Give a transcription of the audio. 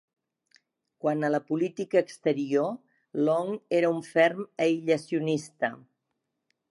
Quant a la política exterior, Long era un ferm aïllacionista.